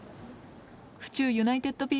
府中ユナイテッドＢ